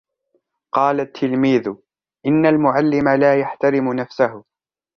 قال التلميذ: إن المعلم لا يحترم نفسه